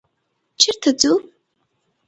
_چېرته ځو؟